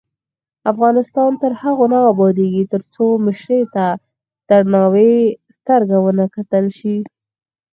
افغانستان تر هغو نه ابادیږي، ترڅو مشرې ته د درناوي سترګه ونه کتل شي.